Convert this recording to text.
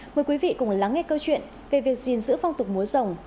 mời quý vị cùng lắng nghe câu chuyện về việc gìn giữ phong tục múa dòng